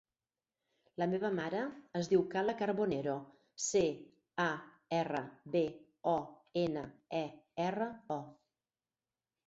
La meva mare es diu Kala Carbonero: ce, a, erra, be, o, ena, e, erra, o.